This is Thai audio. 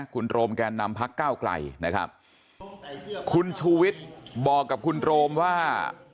คุณโรมแกนนำพักก้าวไกลนะครับคุณชูวิทย์บอกกับคุณโรมว่า